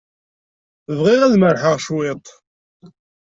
Bɣiɣ ad merrḥeɣ cwiṭ.